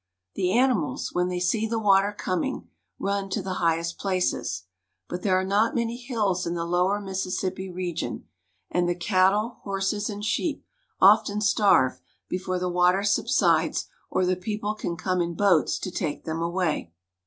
The animals, when they see the water coming, run to the highest places ; but there are not many hills in the lower Mississippi region, and the cattle, horses, and sheep often starve before the water subsides or the people can come in boats to take them away.